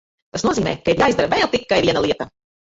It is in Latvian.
Tas nozīmē, ka ir jāizdara vēl tikai viena lieta.